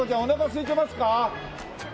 すいてますね。